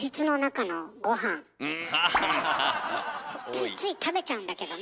ついつい食べちゃうんだけどね。